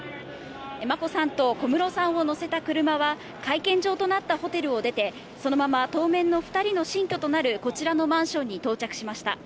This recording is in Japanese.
眞子さんと小室さんを乗せた車は、会見場となったホテルを出て、そのまま当面の２人の新居となるこちらのマンションに到着しました。